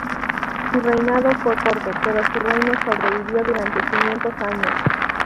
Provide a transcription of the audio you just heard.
Su reinado fue corto, pero su reino sobrevivió durante quinientos años.